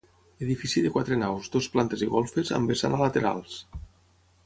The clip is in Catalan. Edifici de quatre naus, dues plantes i golfes, amb vessant a laterals.